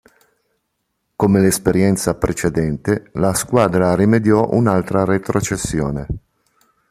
Come l'esperienza precedente, la squadra rimediò un'altra retrocessione.